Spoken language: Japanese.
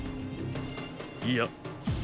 いや。